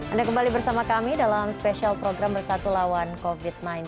anda kembali bersama kami dalam spesial program bersatu lawan covid sembilan belas